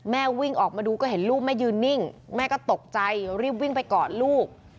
วิ่งออกมาดูก็เห็นลูกแม่ยืนนิ่งแม่ก็ตกใจรีบวิ่งไปกอดลูก